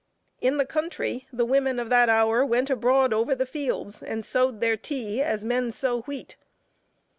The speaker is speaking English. In the country, the women of that hour went abroad over the fields and sowed their tea, as men sow wheat.